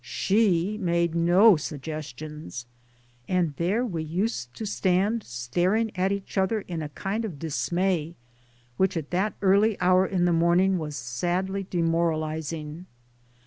She made no suggestions. And there we used to stand staring at each other in a kind of dismay which at that early hour in the morning was sadly demoralizing